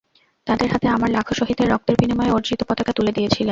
তাঁদের হাতে আমার লাখো শহীদের রক্তের বিনিময়ে অর্জিত পতাকা তুলে দিয়েছিলেন।